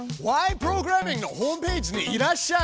プログラミング」のホームページにいらっしゃい！